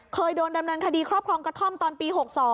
เคยโดนดำเนินคดีครอบครองกระท่อมตอนปี๖๒